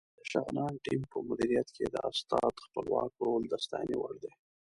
د شغنان ټیم په مدیریت کې د استاد خپلواک رول د ستاینې وړ دی.